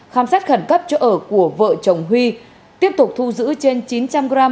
khám sát khẩn cấp chỗ ở của vợ chồng huy tiếp tục thu giữ trên chín trăm linh gram